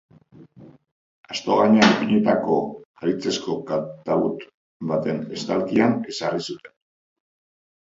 Asto gainean ipinitako haritzezko katabut baten estalkian ezarri zuten.